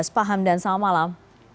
pak hamdan selamat malam